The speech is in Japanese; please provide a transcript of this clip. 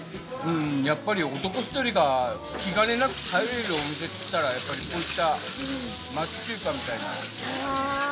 男１人が気兼ねなく入れるお店っていったら、こういった町中華みたいな。